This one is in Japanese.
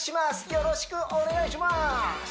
よろしくお願いします！